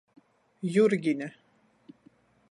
Jurgine.